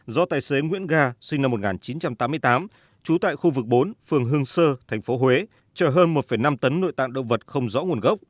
do tài xế nguyễn ga sinh năm một nghìn chín trăm tám mươi tám trú tại khu vực bốn phường hương sơ tp huế chở hơn một năm tấn nội tạng động vật không rõ nguồn gốc